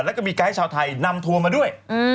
แล้วก็มีไกด์ชาวไทยนำทัวร์มาด้วย